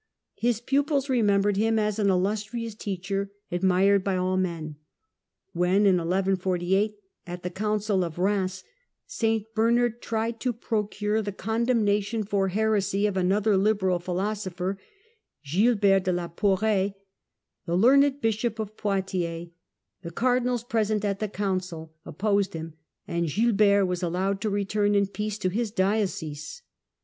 His pupils remembered him as " an illustrious teacher, admired of all men." When in 1148, at the Council of Eheims, St Bernard tried to procure the condemnation for heresy of another liberal philosopher, Gilbert de la Porree, the learned Bishop of Gilbert de Poitiers, the cardinals present at the Council opposed ^^ him, and Gilbert was allowed to return in peace to his diocese.